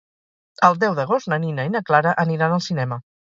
El deu d'agost na Nina i na Clara aniran al cinema.